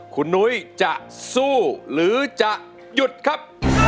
คุณนุ้ยจะสู้หรือจะหยุดครับ